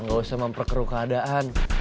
gak usah memperkeru keadaan